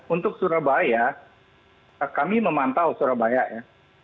untuk surabaya kami memantau surabaya ya